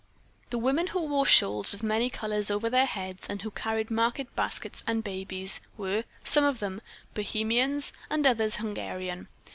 The women, who wore shawls of many colors over their heads and who carried market baskets and babies, were, some of them, Bohemians and others Hungarian.